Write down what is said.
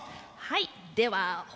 はいでは。